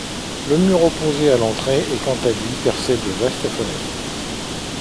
Le mur opposé à l'entrée est quant à lui percé de vastes fenêtres.